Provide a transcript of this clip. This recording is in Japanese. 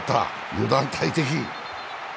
油断大敵。